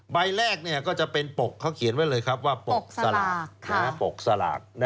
ใบแรกเนี่ยก็จะเป็นปกเขาเขียนไว้เลยครับว่าปกสลาก